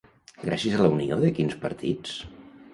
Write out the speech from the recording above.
Gràcies a la unió de quins partits?